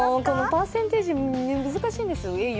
パーセンテージ、難しいんですよ。